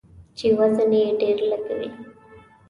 چې وزن یې ډیر لږوي.